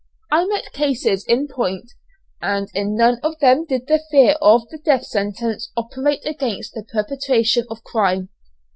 I met cases in point, and in none of them did the fear of the death sentence operate against the perpetration of crime.